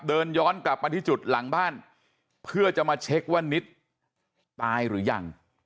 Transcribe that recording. เดินย้อนกลับมาที่จุดหลังบ้านเพื่อจะมาเช็คว่านิดตายหรือยัง